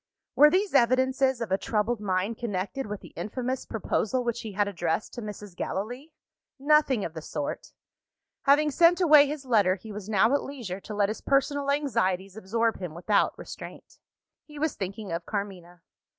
Were these evidences of a troubled mind connected with the infamous proposal which he had addressed to Mrs. Gallilee? Nothing of the sort! Having sent away his letter, he was now at leisure to let his personal anxieties absorb him without restraint. He was thinking of Carmina.